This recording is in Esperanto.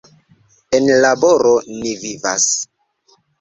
En laboro ni vivas.